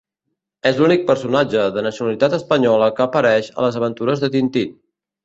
És l'únic personatge de nacionalitat espanyola que apareix a les aventures de Tintín.